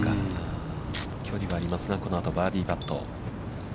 距離もありますが、このあとバーディーパット。